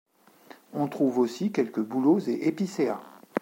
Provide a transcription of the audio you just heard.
On trouve aussi quelques bouleaux et épicéas.